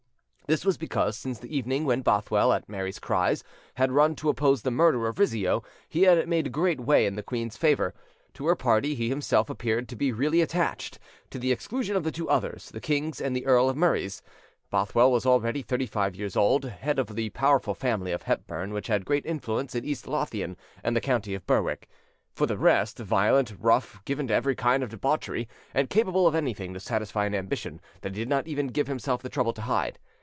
This was because, since the evening when Bothwell, at Mary's cries, had run to oppose the murder of Rizzio, he had made great way in the queen's favour; to her party he himself appeared to be really attached, to the exclusion of the two others, the king's and the Earl of Murray's. Bothwell was already thirty five years old, head of the powerful family of Hepburn, which had great influence in East Lothian and the county of Berwick; for the rest, violent, rough, given to every kind of debauchery, and capable of anything to satisfy an ambition that he did not even give himself the trouble to hide.